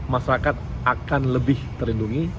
masyarakat akan lebih terlindungi